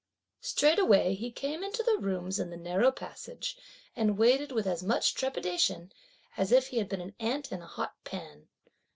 Straightway he came into the rooms in the narrow passage, and waited with as much trepidation as if he had been an ant in a hot pan.